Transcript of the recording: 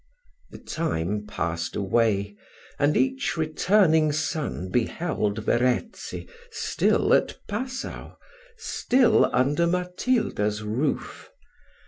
The time passed away, and each returning sun beheld Verezzi still at Passau still under Matilda's proof.